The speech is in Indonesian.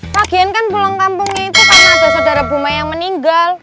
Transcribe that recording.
rakyat kan pulang kampungnya itu karena ada saudara buma yang meninggal